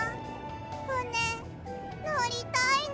ふねのりたいなあ。